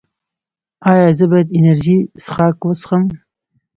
ایا زه باید انرژي څښاک وڅښم؟